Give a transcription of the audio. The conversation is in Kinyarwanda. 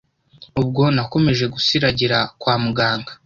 Ubwo nakomeje gusiragira kwa muganga